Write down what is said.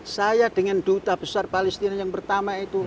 saya dengan duta besar palestina yang pertama itu